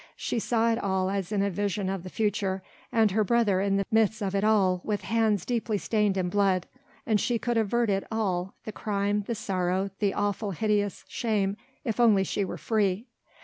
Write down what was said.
She saw it all as in a vision of the future, and her brother in the midst of it all with hands deeply stained in blood. And she could avert it all the crime, the sorrow, the awful, hideous shame if only she were free.